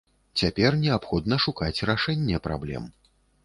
Цяпер неабходна шукаць рашэнне праблем.